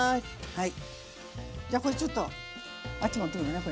はい。